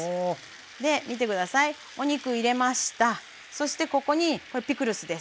そしてここにピクルスです。